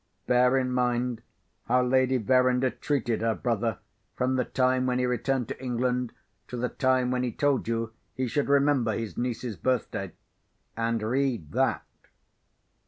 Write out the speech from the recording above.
Bear in mind how Lady Verinder treated her brother from the time when he returned to England, to the time when he told you he should remember his niece's birthday. And read that."